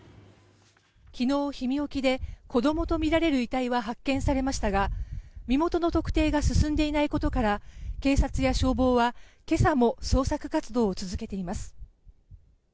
昨日、氷見沖で子どもとみられる遺体が発見されましたが身元の特定が進んでいないことから警察や消防は今朝も捜索活動を続けています。